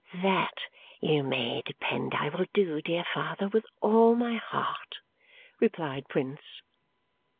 "That you may depend I will do, dear father, with all my heart," replied Prince.